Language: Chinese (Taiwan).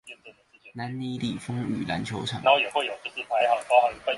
南里里風雨籃球場